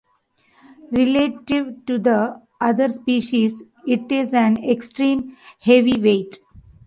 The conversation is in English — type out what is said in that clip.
Relative to the other species it is an extreme heavyweight.